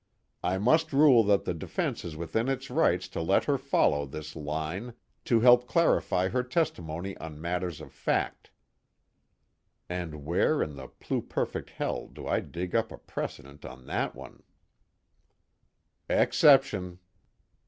I must rule that the defense is within its rights to let her follow this line, to help clarify her testimony on matters of fact." And where in the pluperfect hell do I dig up a precedent on that one? "Exception."